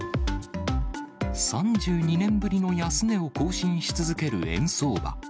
３２年ぶりの安値を更新し続ける円相場。